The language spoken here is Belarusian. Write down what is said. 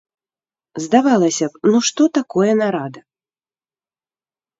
Здавалася б, ну што такое нарада?